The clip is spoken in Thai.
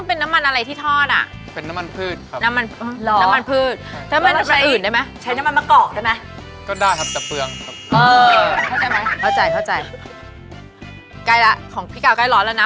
๓๑๓ผ่านค่ะเป็นตัวนึงไม่เป็นไรเราเอา๕ตัวก่อนแหละ